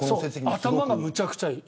頭がむちゃくちゃいい。